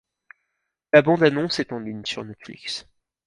La bande annonce est en ligne sur Netflix.